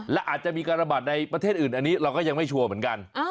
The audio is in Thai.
และอาจจะมีการระบาดในประเทศอื่นอันนี้เราก็ยังไม่ชัวร์เหมือนกัน